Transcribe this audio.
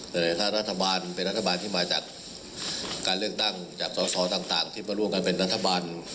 แต่ถ้ารัฐบาลเป็นรัฐบาลที่มาจากการเลือกตั้งจากสอสอต่างที่มาร่วมกันเป็นรัฐบาล